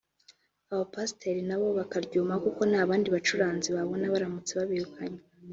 abapasiteri nabo bakaryumaho kuko nta bandi bacuranzi babona baramutse babirukanye